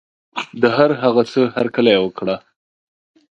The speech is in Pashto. د هر هغه څه هرکلی وکړه.